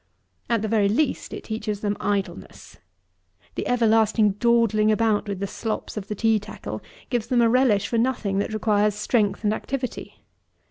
At the very least, it teaches them idleness. The everlasting dawdling about with the slops of the tea tackle, gives them a relish for nothing that requires strength and activity.